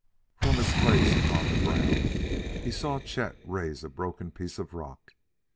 From his place upon the ground he saw Chet raise a broken piece of rock.